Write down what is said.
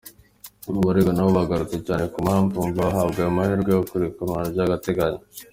Abaregwa nabo bagarutse cyane ku mpamvu bumva bahabwa ayo mahirwe yo kurekurwa by'agateganyo.